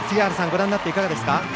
ご覧になっていかがですか？